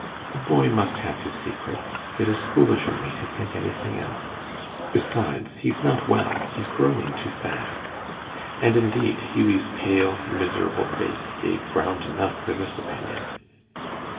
"A boy must have his secrets. It is foolish in me to think anything else. Besides, he is not well. He is growing too fast." And indeed, Hughie's pale, miserable face gave ground enough for this opinion.